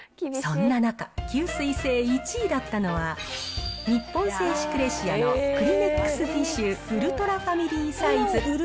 そんな中、吸水性１位だったのは、日本製紙クレシアのクリネックスティシューウルトラファミリーサイズ。